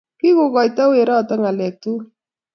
kikoito weroton ngalek tugul